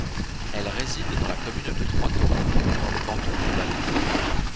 Elle réside dans la commune des Troistorrents dans le canton du Valais.